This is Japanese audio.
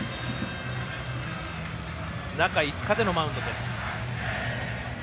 中５日でのマウンドです。